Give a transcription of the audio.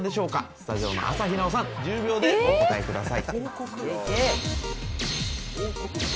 スタジオの朝日奈央さん１０秒でお答えください。